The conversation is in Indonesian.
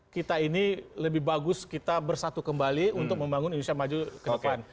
kita ini lebih bagus kita bersatu kembali untuk membangun indonesia maju ke depan